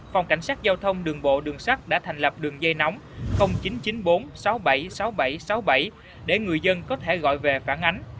phòng cảnh sát giao thông đường bộ đường sắt đã thành lập đường dây nóng chín trăm chín mươi bốn sáu mươi bảy sáu nghìn bảy trăm sáu mươi bảy để người dân có thể gọi về phản ánh